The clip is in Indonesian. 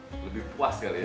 lebih puas kali ya